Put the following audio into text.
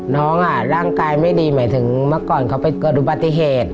ร่างกายไม่ดีหมายถึงเมื่อก่อนเขาไปเกิดอุบัติเหตุ